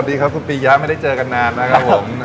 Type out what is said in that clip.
ดีครับคุณปียะไม่ได้เจอกันนานนะครับผม